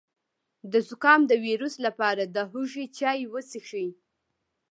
د زکام د ویروس لپاره د هوږې چای وڅښئ